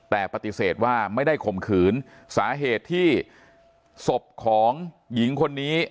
แต่ปฏิเสธว่าไม่ได้ข่มขืนสาเหตุที่ศพของหญิงคนนี้